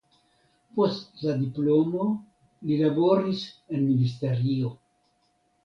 Post la diplomo li laboris en ministerio.